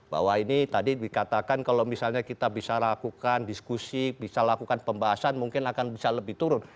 bahwa ini tadi dikatakan kalau misalnya kita bisa lakukan diskusi bisa lakukan pembahasan mungkin akan bisa lebih turun